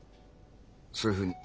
そういうふうに。